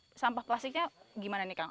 ini sampah plastiknya gimana nih kang